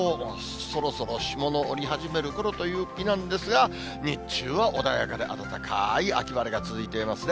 そろそろ霜の降り始めるころという日なんですが、日中は穏やかで暖かい秋晴れが続いていますね。